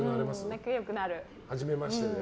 はじめましてで？